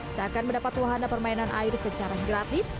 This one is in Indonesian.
seakan mendapat wahana permainan air secara gratis